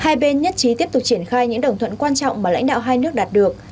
hai bên nhất trí tiếp tục triển khai những đồng thuận quan trọng mà lãnh đạo hai nước đạt được